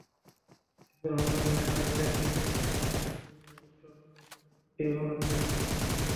এরপর হামলাকারীরা নার্সদের কক্ষে গিয়ে নার্স কাকতি বলকেও কুপিয়ে মারাত্মক জখম করে।